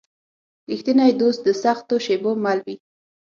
رښتینی دوست د سختو شېبو مل وي.